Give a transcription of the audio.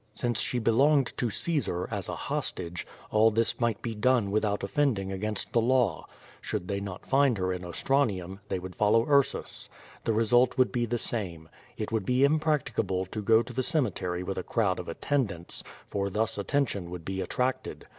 Since she be longed to Caesar, as a hostage, all this might be done without offending against the law. Should they not find her in Os tranium, they would follow Ursus, The result would be the same. It would be impracticable to go to the cemetery with a crowd of attendants, for thus attention would be attracted.